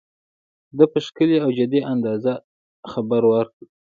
ده په ښکلي او جدي انداز خبره وکړه.